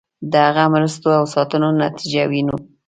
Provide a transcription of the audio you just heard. د هغه مرستو او ساتنو نتیجه وینو.